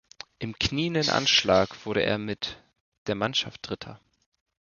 Im knienden Anschlag wurde er mit der Mannschaft Dritter.